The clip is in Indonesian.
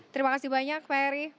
terima kasih banyak pak eri